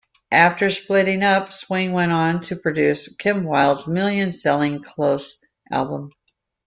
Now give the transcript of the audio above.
After splitting up, Swain went on to produce Kim Wilde's million-selling "Close" album.